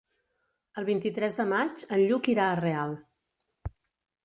El vint-i-tres de maig en Lluc irà a Real.